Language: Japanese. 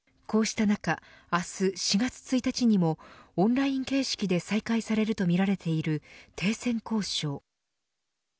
こうした中、明日４月１日にもオンライン形式で再開されるとみられている停戦交渉。